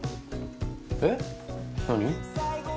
えっ？何？